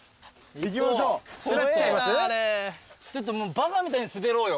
バカみたいに滑ろうよ。